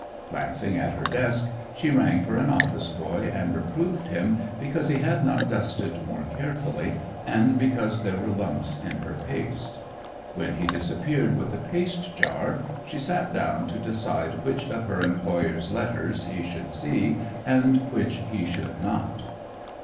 Glancing at her desk, she rang for an office boy, and reproved him because he had not dusted more carefully and because there were lumps in her paste. When he disappeared with the paste jar, she sat down to decide which of her employer's letters he should see and which he should not.